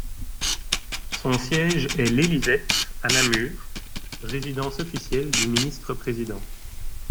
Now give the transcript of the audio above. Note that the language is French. Son siège est l'Élysette à Namur, résidence officielle du ministre-président.